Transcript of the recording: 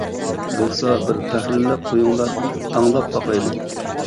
بولسا بىر تەھرىرلەپ قويۇڭلار ئاڭلاپ باقايلى.